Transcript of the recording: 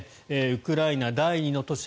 ウクライナ第２の都市